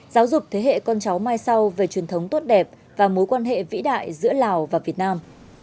giáo dục thế hệ con cháu mai sau về truyền thống tốt đẹp và mối quan hệ vĩ đại giữa lào và việt nam